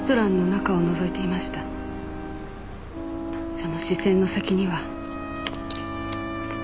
その視線の先には。